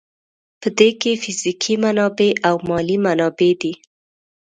په دې کې فزیکي منابع او مالي منابع دي.